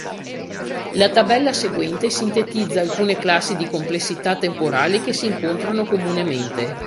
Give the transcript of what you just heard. La tabella seguente sintetizza alcune classi di complessità temporali che si incontrano comunemente.